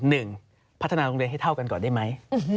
หนึ่งพัฒนาโรงเรียนให้เท่ากันก่อนได้ไหม